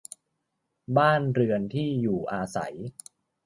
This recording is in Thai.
บ้านเรือนที่อยู่อาศัย